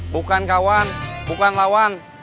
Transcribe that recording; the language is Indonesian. bukan kawan bukan lawan